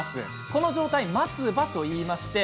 この状態は松葉といいます。